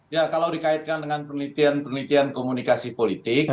ya kalau dikaitkan dengan penelitian penelitian komunikasi politik